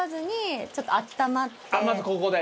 まずここで？